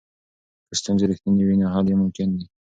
که ستونزې رښتینې وي نو حل یې ممکن دی.